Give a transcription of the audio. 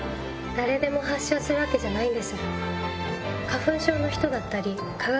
誰でも発症するわけじゃないんです。